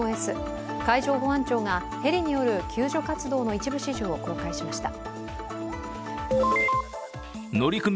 海上保安庁がヘリによる救助活動の一部始終を公開しました。